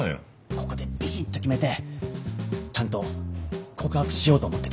ここでびしっと決めてちゃんと告白しようと思ってて。